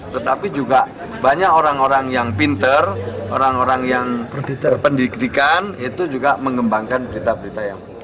tetapi juga banyak orang orang yang pinter orang orang yang berpendidikan itu juga mengembangkan berita berita yang